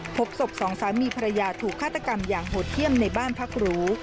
พบศพสองสามีภรรยาถูกฆาตกรรมอย่างโหดเยี่ยมในบ้านพักหรู